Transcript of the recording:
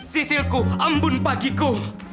sisilku ambun pagiku